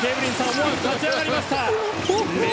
思わず立ち上がりました。